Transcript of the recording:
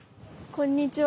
こんにちは。